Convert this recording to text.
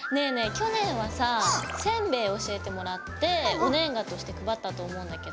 去年はさぁせんべい教えてもらってお年賀として配ったと思うんだけど。